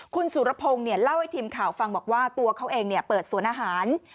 คุณสุรพงศ์เล่าให้ทีมข่าวฟังบอกว่าตัวเขาเองเปิดสวนอาหาร